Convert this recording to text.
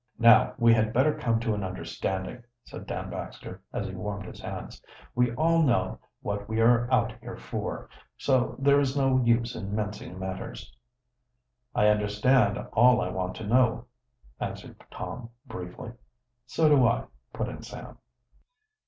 "Now we had better come to an understanding," said Dan Baxter, as he warmed his hands. "We all know what we are out here for, so there is no use in mincing matters." "I understand all I want to know," answered Tom briefly. "So do I," put in Sam.